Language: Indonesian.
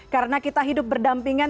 karena kita hidup berdampingan